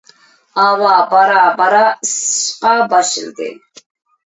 ھاۋا بارا-بارا ئىسسىشقا باشلىدى.